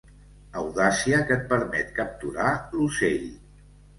Audàcia que et permet capturar l'ocell.